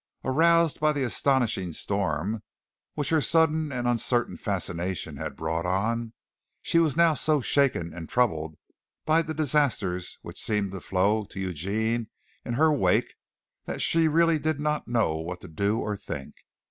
Aroused by the astonishing storm which her sudden and uncertain fascination had brought on, she was now so shaken and troubled by the disasters which had seemed to flow to Eugene in her wake, that she really did not know what to do or think.